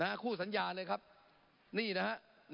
คู่สัญญาเลยครับนี่นะฮะ